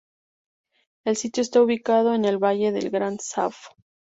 El sitio está ubicado en el valle del Gran Zab.